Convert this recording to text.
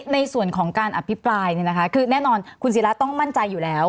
ในส่วนของการอภิปรายคือแน่นอนคุณศิราต้องมั่นใจอยู่แล้ว